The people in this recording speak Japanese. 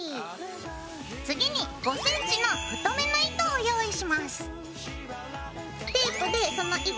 次に５ｃｍの太めの糸を用意します。